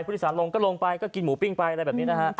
ผู้โดยสารลงก็ลงไปก็กินหมูปิ้งไปอะไรแบบนี้นะฮะ